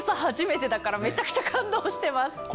初めてだからめちゃくちゃ感動してます。